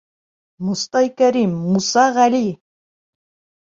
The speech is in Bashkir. Мостай Кәрим, Муса Ғәли!